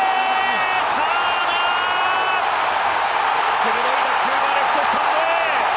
鋭い打球がレフトスタンドへ！